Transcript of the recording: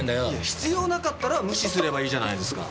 必要なかったら無視すればいいじゃないですか。